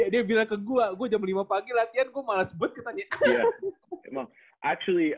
dia bilang ke gue gue jam lima pagi latihan gue malas banget ketanya